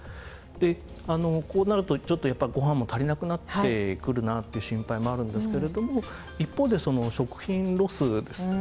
でこうなるとちょっとやっぱりご飯も足りなくなってくるなっていう心配もあるんですけれども一方で食品ロスですね。